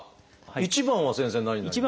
１番は先生何になりますか？